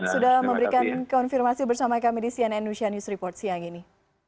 sudah memberikan konfirmasi bersama kami di cnn news report siang ini